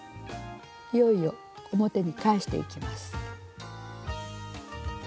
いよいよ表に返していきます。